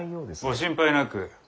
ご心配なく。